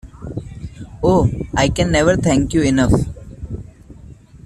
Oh, I can never thank you enough.